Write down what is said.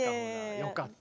よかった。